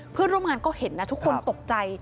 เพื่อนร่วมงานก็เห็นนะทุกคนตกใจ